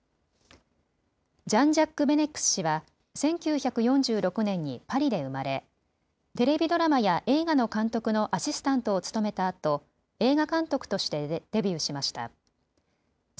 ジャンジャック・ベネックス氏は１９４６年にパリで生まれテレビドラマや映画の監督のアシスタントを務めたあと映画監督としてデビューしました。